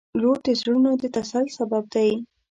• لور د زړونو د تسل سبب دی.